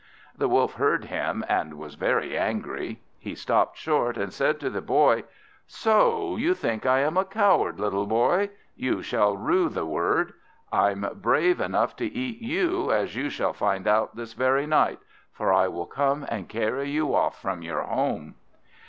The Wolf heard him, and was very angry. He stopped short, and said to the Boy "So you think I am a coward, little Boy? You shall rue the word. I'm brave enough to eat you, as you shall find out this very night; for I will come and carry you off from your home."